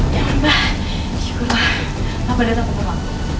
ya ampah dikulah apa ada takutnya